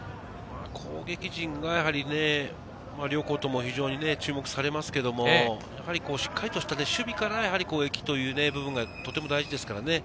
攻撃陣が両校とも非常に注目されますけれども、しっかりとした守備から攻撃という部分がとても大事ですからね。